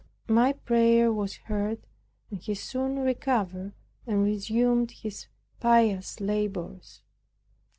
My prayer was heard, and he soon recovered, and resumed his pious labors.